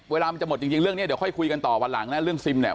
เวลามันจะหมดจริงเรื่องนี้เดี๋ยวค่อยคุยกันต่อวันหลังนะเรื่องซิมเนี่ย